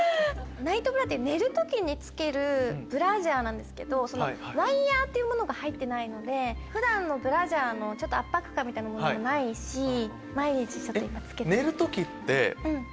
ナイトブラって寝る時に着けるブラジャーなんですけどワイヤっていうものが入ってないので普段のブラジャーの圧迫感みたいなものもないし毎日ちょっと今着けてます。